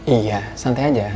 iya santai aja